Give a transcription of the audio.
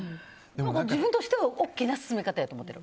自分としては大きな勧め方やと思ってる。